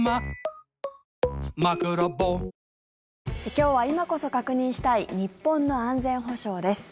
今日は、今こそ確認したい日本の安全保障です。